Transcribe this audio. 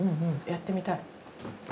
やってみたい！